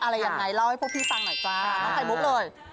อะไรยังไงเล่าให้พวกพี่ฟังหน่อยจ้าน้องไข่มุกเลย